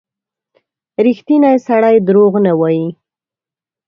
• ریښتینی سړی دروغ نه وايي.